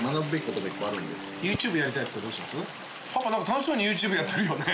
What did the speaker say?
「パパ何か楽しそうにＹｏｕＴｕｂｅやってるよね？」